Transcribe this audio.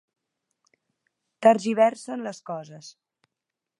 Tergiversen les coses